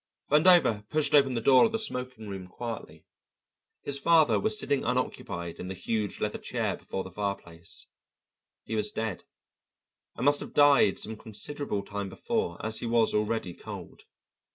Vandover pushed open the door of the smoking room quietly. His father was sitting unoccupied in the huge leather chair before the fireplace. He was dead, and must have died some considerable time before, as he was already cold.